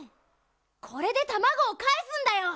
これでたまごをかえすんだよ！